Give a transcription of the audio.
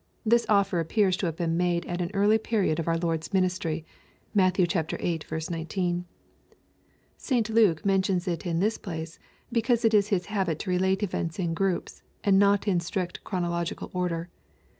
This ofifer appears to have been made at an early period of our Lord's earthly ministry. (Matt viil 19.) St Luke mentions it in this place, because it is his habit to relate events in groups, and not in strict chronological order.